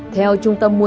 theo trung tâm mua sắm